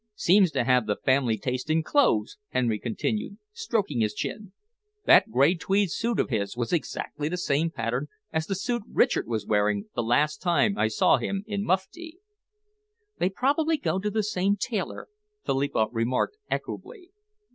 "Seems to have the family taste in clothes," Sir Henry continued, stroking his chin. "That grey tweed suit of his was exactly the same pattern as the suit Richard was wearing, the last time I saw him in mufti." "They probably go to the same tailor," Philippa remarked equably.